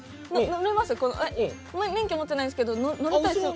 免許持ってないんですけど乗りたいんですよ。